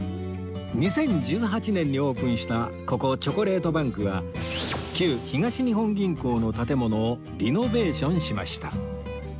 ２０１８年にオープンしたここチョコレートバンクは旧東日本銀行の建物をリノベーションしました